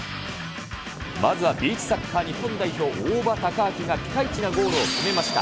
まずはビーチサッカー日本代表、大場崇晃がピカイチなゴールを決めました。